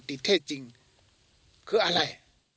ติดเท่จริงคืออะไร